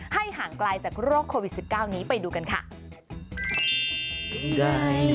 ห่างไกลจากโรคโควิด๑๙นี้ไปดูกันค่ะ